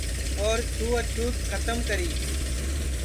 اور چھوا چھوت کھتم کری